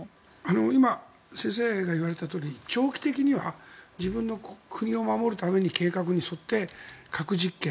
今、先生が言われたとおり長期的には自分の国を守るために計画に沿って核実験